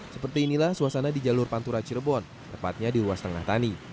seperti inilah suasana di jalur pantura cirebon tepatnya di ruas tengah tani